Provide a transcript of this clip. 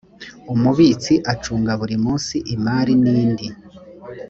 umubitsi acunga buri munsi imari n indi